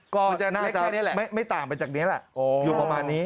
มันจะเล็กแค่นี้แหละไม่ต่างไปจากนี้แหละอยู่ประมาณนี้